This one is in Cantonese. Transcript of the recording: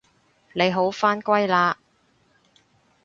你好返歸喇